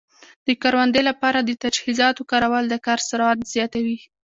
د کروندې لپاره د تجهیزاتو کارول د کار سرعت زیاتوي.